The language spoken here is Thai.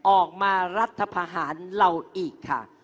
ออกมารัฐพาหารเราอีกค่ะ